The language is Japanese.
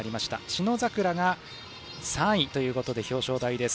信櫻が３位ということで表彰台です。